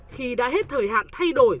khi đã hết thời hạn thay đổi